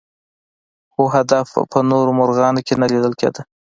خو هدهد په نورو مرغانو کې نه لیدل کېده.